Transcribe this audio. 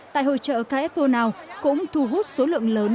tại hội trợ capo nào cũng thu hút số lượng lớn